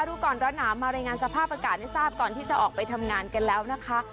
รู้ก่อนร้อนหนาวมารายงานสภาพอากาศให้ทราบก่อนที่จะออกไปทำงานกันแล้วนะคะ